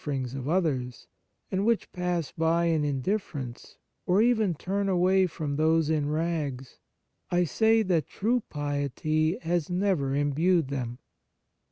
20, 21. 116 The Fruits of Piety ings of others, and which pass by in indifference or even turn away from those in rags, I say that true piety has never imbued them.